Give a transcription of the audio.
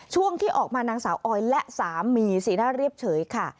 ช่วงที่ออกมานางสาวออยและสามีสีหน้าเรียบเฉยค่ะ